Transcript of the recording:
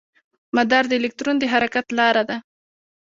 مدار د الکترون د حرکت لاره ده.